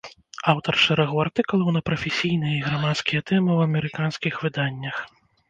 Аўтар шэрагу артыкулаў на прафесійныя і грамадскія тэмы ў амерыканскіх выданнях.